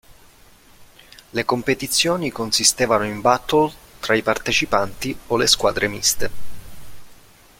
Le competizioni consistevano in "battle" tra i partecipanti o le squadre miste.